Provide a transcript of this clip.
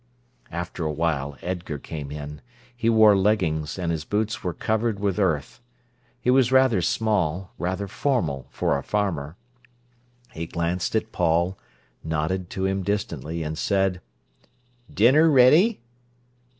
After a while Edgar came in. He wore leggings, and his boots were covered with earth. He was rather small, rather formal, for a farmer. He glanced at Paul, nodded to him distantly, and said: "Dinner ready?"